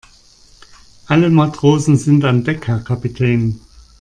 Alle Matrosen sind an Deck, Herr Kapitän.